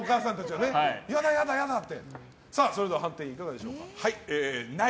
それでは判定いかがでしょうか？